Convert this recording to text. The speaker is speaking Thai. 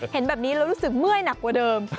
เห็นแบบนี้แล้วรู้สึกเมื่อยหนักกว่าเดิม